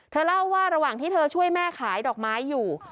เล่าว่าระหว่างที่เธอช่วยแม่ขายดอกไม้อยู่